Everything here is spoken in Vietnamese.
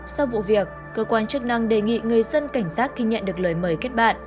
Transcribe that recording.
sau vụ việc cơ quan chức năng đề nghị người dân cảnh giác khi nhận được lời mời kết bạn